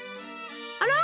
あら？